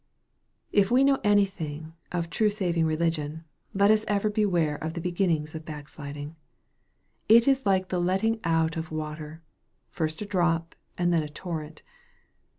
If we know any thing of true saving religion, let us ever beware of the beginnings of backsliding. It is like the letting out of water, first a drop and then a torrent.